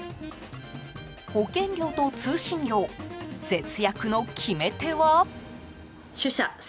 保険料と通信料節約の決め手は？